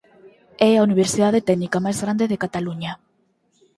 É a universidade técnica máis grande de Cataluña.